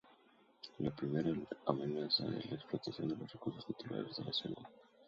La principal amenaza es la explotación de los recursos naturales de la selva.